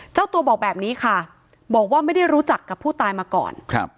เจ้าตัวบอกแบบนี้ค่ะบอกว่าไม่ได้รู้จักกับผู้ตายมาก่อนครับ